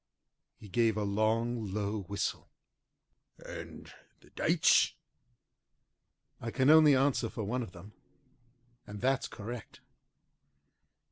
He gave a long, low whistle. "And the dates?" "I can only answer for one of them, and that's correct."